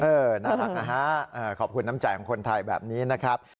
น่ารักนะฮะขอบคุณน้ำใจของคนไทยแบบนี้นะครับ